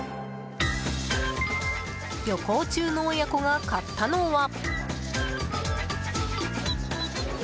旅行中の親子が買ったのは。